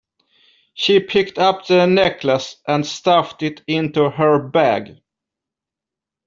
She picked up the necklace and stuffed it into her bag